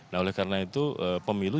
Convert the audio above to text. nah oleh karena itu pemilu